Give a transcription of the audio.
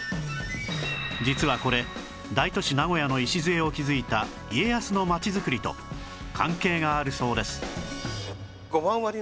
実はこれ大都市名古屋の礎を築いた家康の町づくりと関係があるそうです